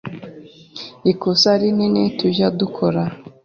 Ikosa rinini tujya dukora